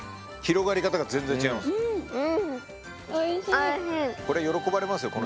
広がり方が全然違います。